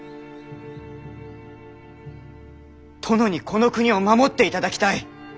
殿にこの国を守っていただきたい！